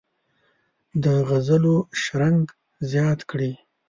د غزلو شرنګ زیات کړي.